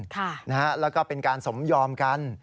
แล้วก็เป็นการสมยอมกัน